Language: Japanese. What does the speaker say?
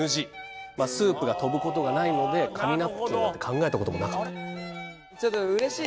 スープが飛ぶ事がないので紙ナプキンなんて考えた事もなかった。